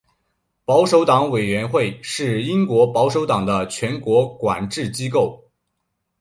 保守党委员会是英国保守党的全国管制机构。